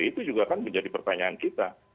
itu juga kan menjadi pertanyaan kita